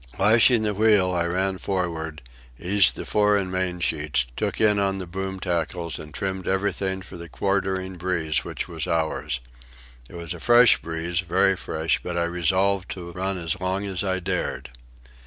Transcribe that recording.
Lashing the wheel I ran forward, eased the fore and mainsheets, took in on the boom tackles and trimmed everything for the quartering breeze which was ours. It was a fresh breeze, very fresh, but I resolved to run as long as I dared.